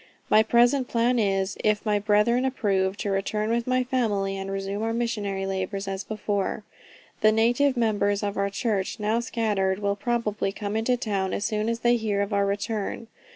My present plan is, if my brethren approve, to return with my family, and resume our missionary labors as before. The native members of our church, now scattered, will probably come into town as soon as they hear of our return.